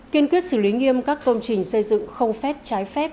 kiên quyết xử lý nghiêm các công trình xây dựng không phép trái phép